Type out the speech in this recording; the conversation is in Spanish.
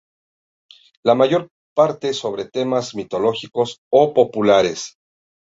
La mayor parte sobre temas mitológicos o populares.